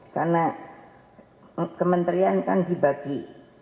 karena kementerian kan dibagi